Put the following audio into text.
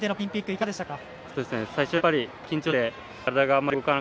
いかがでしょうか？